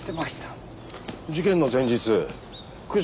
事件の前日九条